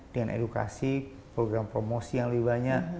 dengan edukasi program promosi yang lebih banyak